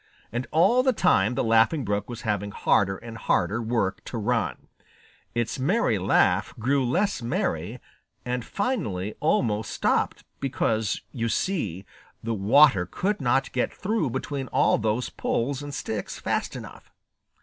And all the time the Laughing Brook was having harder and harder work to run. Its merry laugh grew less merry and finally almost stopped, because, you see, the water could not get through between all those poles and sticks fast enough.